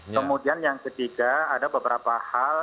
kemudian yang ketiga ada beberapa hal